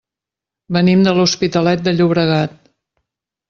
Venim de l'Hospitalet de Llobregat.